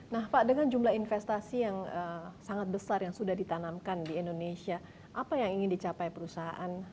nah pak dengan jumlah investasi yang sangat besar yang sudah ditanamkan di indonesia apa yang ingin dicapai perusahaan